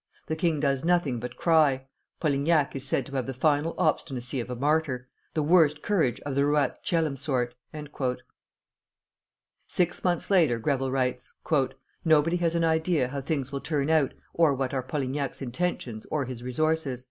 The king does nothing but cry; Polignac is said to have the fatal obstinacy of a martyr, the worst courage of the ruat coelum sort." [Illustration: CHARLES X.] Six months later Greville writes: "Nobody has an idea how things will turn out, or what are Polignac's intentions or his resources."